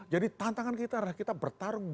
jadi tantangan kita adalah kita bertarung